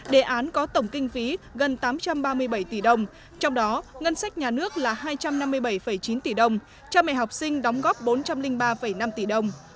đề án có tổng kinh phí gần tám trăm ba mươi bảy tỷ đồng trong đó ngân sách nhà nước là hai trăm năm mươi bảy chín tỷ đồng cho mẹ học sinh đóng góp bốn trăm linh ba năm tỷ đồng